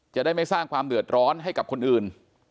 จะได้ไม่สร้างความเดือดร้อนให้กับคนอื่น